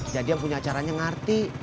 jadi yang punya acaranya ngerti